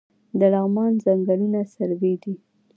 د لغمان ځنګلونه سروې دي